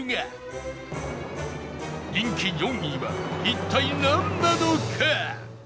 人気４位は一体なんなのか？